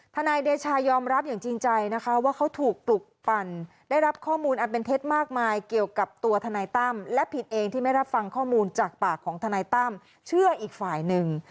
ทนายเดชายอมรับอย่างจริงใจนะคะว่าเขาถูกปลุกปั่นได้รับข้อมูลอันเป็นเท็จมากมายเกี่ยวกับตัวทนายตั้มและพินเองที่ไม่รับฟังข้อมูลจากปากของทนายตั้มเชื่ออีกฝ่ายหนึ่ง